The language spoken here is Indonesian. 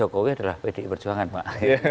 jokowi adalah pdi perjuangan pak